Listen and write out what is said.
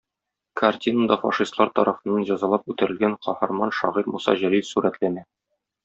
Картинада фашистлар тарафыннан җәзалап үтерелгән каһарман шагыйрь Муса Җәлил сурәтләнә.